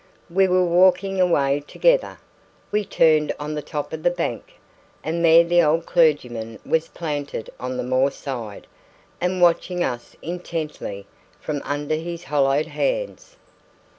We were walking away together. We turned on the top of the bank. And there the old clergyman was planted on the moorside, and watching us intently from under his hollowed hands.